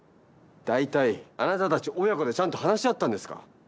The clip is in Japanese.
大体あなたたち親子でちゃんと話し合ったんですか？